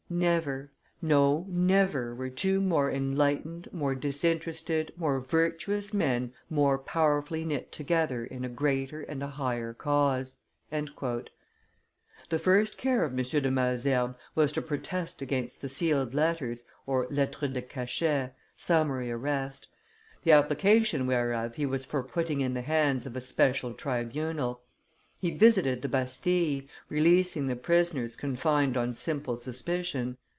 Never, no never, were two more enlightened, more disinterested, more virtuous men more powerfully knit together in a greater and a higher cause." The first care of M. de. Malesherbes was to protest against the sealed letters (lettres de cachet summary arrest), the application whereof he was for putting in the hands of a special tribunal; he visited the Bastille, releasing the prisoners confined on simple suspicion.